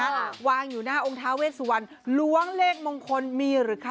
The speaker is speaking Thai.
วางอยู่หน้าองค์ท้าเวสวันล้วงเลขมงคลมีหรือคะ